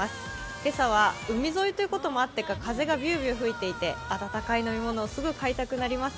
今朝は海沿いということもあってか風がビュービュー吹いていて温かい飲み物をすぐ買いたくなります。